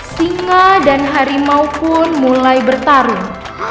singa dan harimau pun mulai bertarung